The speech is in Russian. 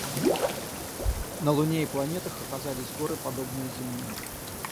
На Луне и планетах оказались горы, подобные земным.